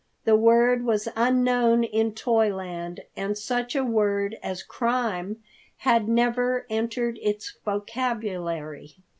The word was unknown in Toyland, and such a word as crime had never entered its vocabulary.